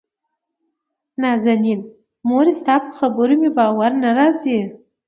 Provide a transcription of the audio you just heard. نازنين: مورې دتا په خبرو مې باور نه راځي.